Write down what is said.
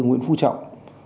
nguyễn phú trọng